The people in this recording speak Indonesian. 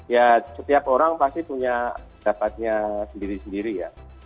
ya setiap orang pasti punya dapatnya sendiri sendiri ya